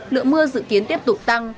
lượng mưa dự kiến tiếp tục tăng